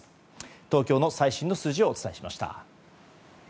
東京の最新の数字をお伝えしました。